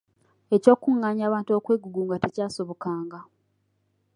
Eky’okukuղղaanya abantu okwegugunga tekyasobokanga.